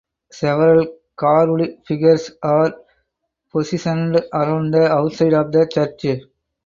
Several carved figures are positioned around the outside of the church.